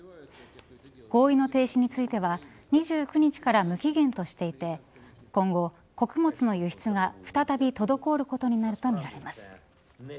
合意の停止については２９日から無期限としていて今後、穀物の輸出が再び滞ることになるとみられます。